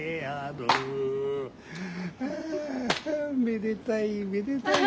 あめでたいめでたい。